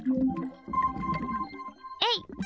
えい！